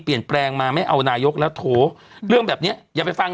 เปลี่ยนแปลงมาไม่เอานายกแล้วโถเรื่องแบบเนี้ยอย่าไปฟัง